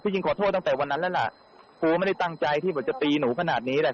จริงขอโทษตั้งแต่วันนั้นแล้วล่ะกูไม่ได้ตั้งใจที่แบบจะตีหนูขนาดนี้แหละ